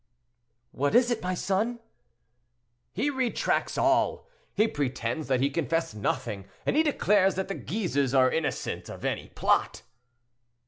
"What is it, my son?" "He retracts all—he pretends that he confessed nothing; and he declares that the Guises are innocent of any plot!"